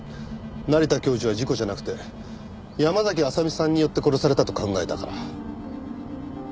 成田教授は事故じゃなくて山嵜麻美さんによって殺されたと考えたから。